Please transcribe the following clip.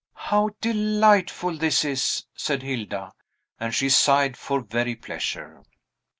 "How delightful this is!" said Hilda; and she sighed for very pleasure.